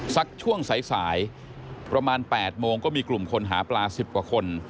สักช่วงสายประมาณ๘โมงก็มีกลุ่มคนหาปลา๑๐กว่าคน